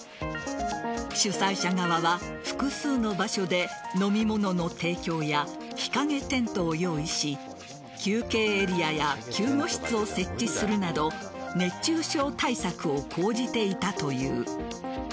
主催者側は複数の場所で飲み物の提供や日陰テントを用意し休憩エリアや救護室を設置するなど熱中症対策を講じていたという。